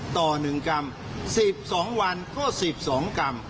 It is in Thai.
ต่อ๑กรัม๑๒วันก็๑๒กรัม